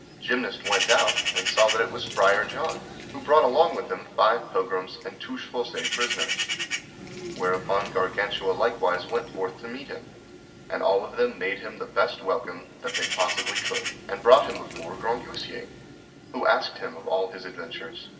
Gymnast went out and saw that it was Friar John, who brought along with him five pilgrims and Touchfaucet prisoners; whereupon Gargantua likewise went forth to meet him, and all of them made him the best welcome that possibly they could, and brought him before Grangousier, who asked him of all his adventures.